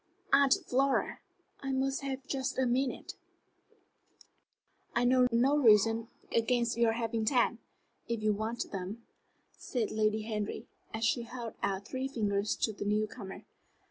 "Aunt Flora, I must have just a minute." "I know no reason against your having ten, if you want them," said Lady Henry, as she held out three fingers to the new comer.